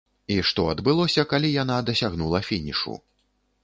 І што адбылося, калі яна дасягнула фінішу?